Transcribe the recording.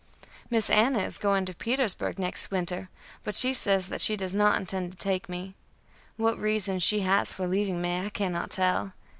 Miss Anna is going to Petersburgh next winter, but she says that she does not intend take me; what reason she has for leaving me I cannot tell.